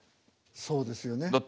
そうですよね。